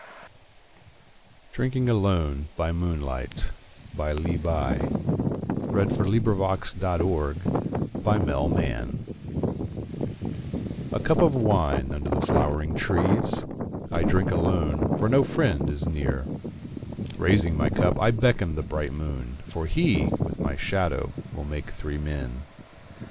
DRINKING ALONE BY MOONLIGHT [Three Poems] I A cup of wine, under the flowering trees; I drink alone, for no friend is near. Raising my cup I beckon the bright moon, For he, with my shadow, will make three men.